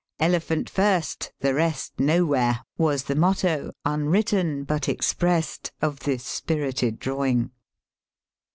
*^ Elephant first, the rest no where" was the motto, unwritten but expressed^ joi this spuited drawing.